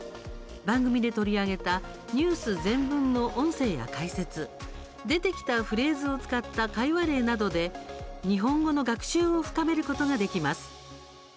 番組で取り上げたニュース全文の音声や解説出てきたフレーズを使った会話例などで、日本語の学習を深めることができます。